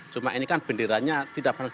cuma ini kan bendera nya tidak pernah dicoba